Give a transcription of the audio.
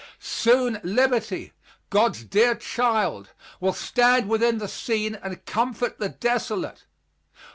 Soon Liberty, God's dear child, will stand within the scene and comfort the desolate.